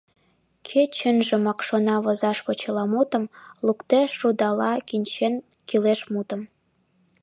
Кӧ чынжымак шона возаш почеламутым, луктеш рудала кӱнчен кӱлеш мутым.